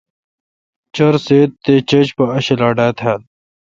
چار سیت تے°چھج پا اک چھلا ڈھا تال۔